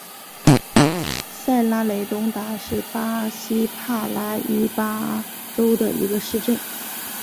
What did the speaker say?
塞拉雷东达是巴西帕拉伊巴州的一个市镇。